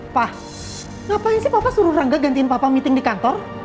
pas ngapain sih papa suruh rangga gantiin papa meeting di kantor